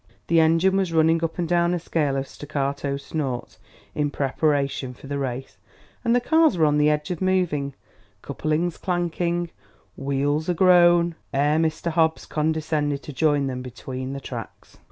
The engine was running up and down a scale of staccato snorts, in preparation for the race, and the cars were on the edge of moving, couplings clanking, wheels a groan, ere Mr. Hobbs condescended to join them between the tracks.